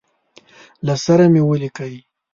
له سره مي ولیکی.